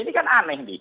ini kan aneh nih